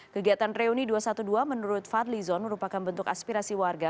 kegiatan reuni dua ratus dua belas menurut fadli zon merupakan bentuk aspirasi warga